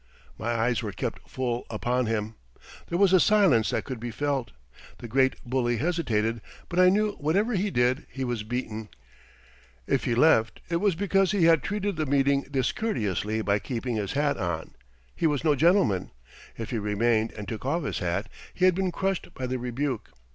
My eyes were kept full upon him. There was a silence that could be felt. The great bully hesitated, but I knew whatever he did, he was beaten. If he left it was because he had treated the meeting discourteously by keeping his hat on, he was no gentleman; if he remained and took off his hat, he had been crushed by the rebuke.